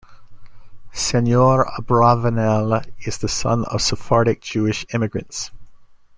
Senor Abravanel is the son of Sephardic Jewish immigrants.